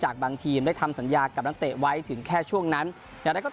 บางทีมได้ทำสัญญากับนักเตะไว้ถึงแค่ช่วงนั้นอย่างไรก็